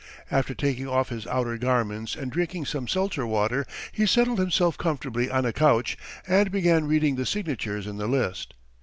After taking off his outer garments and drinking some seltzer water, he settled himself comfortably on a couch and began reading the signatures in the list.